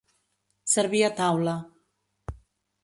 Servir a taula.